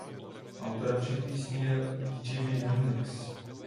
Autorem všech písni je Jimi Hendrix.